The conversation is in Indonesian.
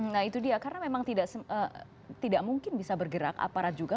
nah itu dia karena memang tidak mungkin bisa bergerak aparat juga